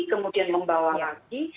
kemudian membawa lagi